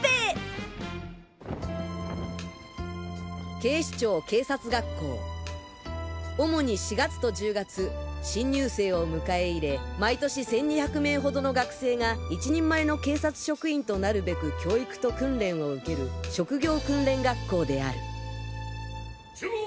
警視庁警察学校主に４月と１０月新入生を迎え入れ毎年１２００名ほどの学生が一人前の警察職員となるべく教育と訓練を受ける職業訓練学校である集合！